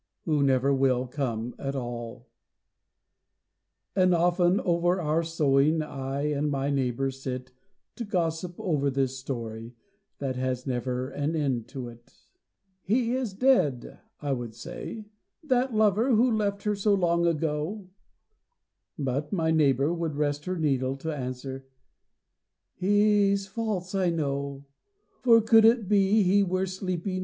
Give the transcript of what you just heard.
Who never will come at all. And often over our sewing, As I and my neighbour sit To gossip over this story That has never an end to it, "He is dead," I would say, "that lover, Who left her so long ago," But my neighbour would rest her needle To answer, "He's false I know." "For could it be he were sleeping.